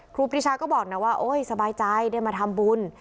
ครูปีชาก็บอกนะว่าโอ๊ยสบายใจได้มาทำบุญ